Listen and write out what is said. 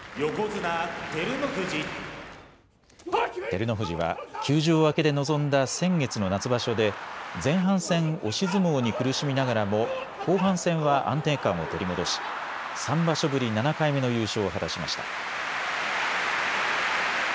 照ノ富士は休場明けで臨んだ先月の夏場所で前半戦、押し相撲に苦しみながらも後半戦は安定感を取り戻し３場所ぶり７回目の優勝を果たしました。